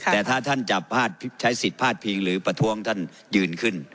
แต่ถ้าท่านจะใช้สิทธิ์พาดพิงหรือประท้วงท่านยืนขึ้น